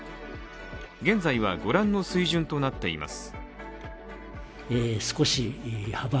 現在はご覧の水準となっています。